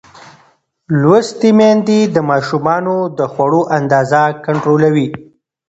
لوستې میندې د ماشومانو د خوړو اندازه کنټرولوي.